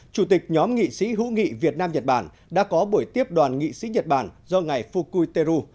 chủ tịch nhóm nghị sĩ hữu nghị việt nam nhật bản đã có buổi tiếp đoàn nghị sĩ nhật bản do ngài fukui teru